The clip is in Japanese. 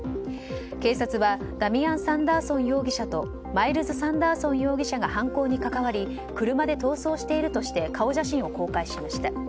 警察はダミアン・サンダーソン容疑者とマイルズ・サンダーソン容疑者が犯行に関わり車で逃走しているとして顔写真を公開しました。